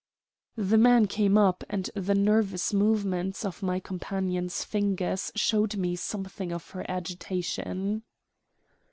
The man came up, and the nervous movements of my companion's fingers showed me something of her agitation.